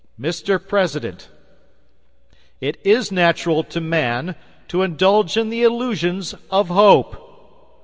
Mr. President, it is natural to man to indulge in the illusions of hope.